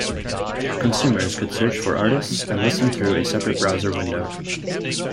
Consumers could search for artists and listen through a separate browser window.